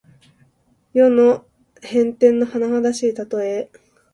世の変転のはなはだしいたとえ。